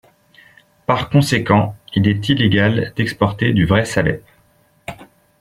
Par conséquent, il est illégal d'exporter du vrai salep.